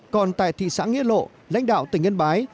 còn tại thị xã nghĩa lộ lãnh đạo tỉnh yên bái